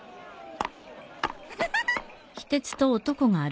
アハハハ。